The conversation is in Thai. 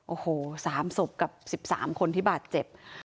โอ้โห๓ศพกับ๑๓คนที่บาดเจ็บ